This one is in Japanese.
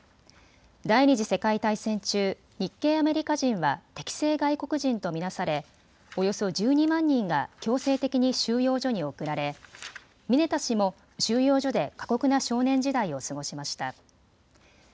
第２次世界大戦中、日系アメリカ人は敵性外国人と見なされおよそ１２万人が強制的に収容所に送られミネタ氏も収容所で過酷な少年時代を過ごしました。